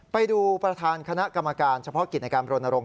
ไปดูประธานคณะกรรมการเฉพาะกิจในการบรณรงค